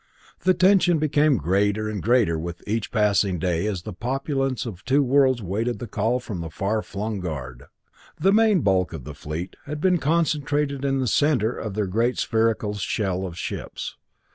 The tension became greater and greater as with each passing day the populace of two worlds awaited the call from the far flung guard. The main bulk of the fleet had been concentrated in the center of their great spherical shell of ships.